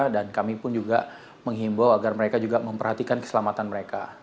dan kami pun juga menghimbau agar mereka juga memperhatikan keselamatan mereka